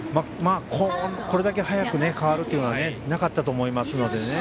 これだけ早く代わるというのはなかったと思いますのでね。